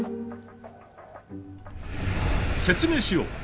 説明しよう。